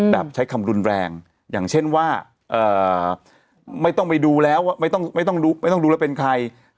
แบบใช้คำรุนแรงอย่างเช่นว่าไม่ต้องไปดูแล้วไม่ต้องดูแล้วเป็นใคร